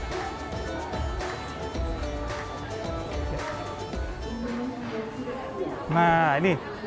menurut saya ini adalah minuman yang lebih baik untuk mencoba kopi